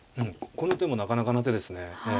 この手もなかなかな手ですねええ。